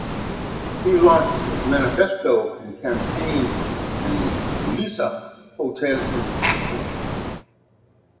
He launched his manifesto and campaign at the Alisa Hotel in Accra.